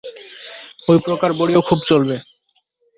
ঐ প্রকার বড়িও খুব চলবে।